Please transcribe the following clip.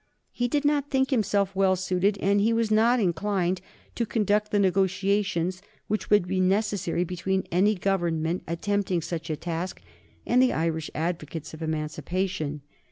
He did not think himself well suited, and he was not inclined, to conduct the negotiations which would be necessary between any Government attempting such a task and the Irish advocates of Emancipation.